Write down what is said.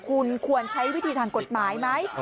คุณควรใช้วิธีทางกฎหมายไหม